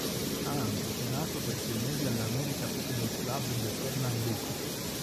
Ha anche suonato per sei mesi all'América Futebol Clube de Pernambuco.